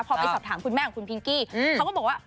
พอไปสอบถามคุณแม่ของคุณพิงกี้เขาก็บอกว่า